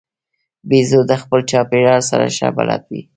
بیزو د خپل چاپېریال سره ښه بلد وي.